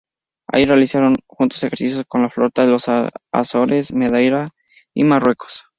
Allí realizaron juntos ejercicios con la flota en las Azores, Madeira y Marruecos.